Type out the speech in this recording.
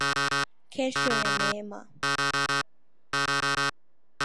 Kesho ya neema